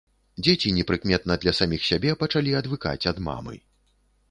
Дзеці непрыкметна для саміх сябе пачалі адвыкаць ад мамы.